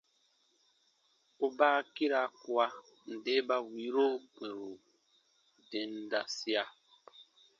U baa kiira kua nde ba wiiro bwɛ̃ru dendasia.